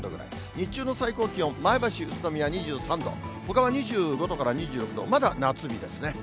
日中の最高気温、前橋、宇都宮２３度、ほかは２５度から２６度、まだ夏日ですね。